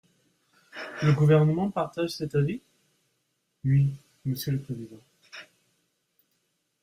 Le Gouvernement partage cet avis ? Oui, monsieur le président.